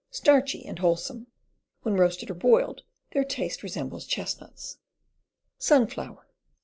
Starchy and wholesome. When roasted or boiled their taste resembles chestnuts. Sunflower.